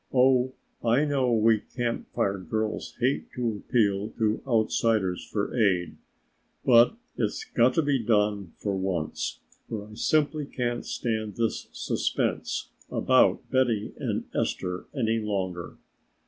"Oh, I know we Camp Fire girls hate to appeal to outsiders for aid, but it's got to be done for once, for I simply can't stand this suspense about Betty and Esther any longer."